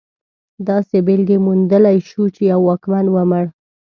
داسې بېلګې موندلی شو چې یو واکمن ومړ.